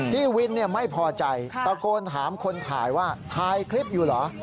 พี่วินไม่พอใจตะโกนถามคนถ่ายว่าถ่ายคลิปอยู่เหรอ